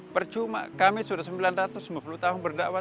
percuma kami sudah sembilan ratus lima puluh tahun berdakwah